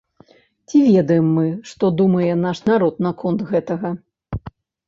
Ці ведаем мы, што думае наш народ наконт гэтага?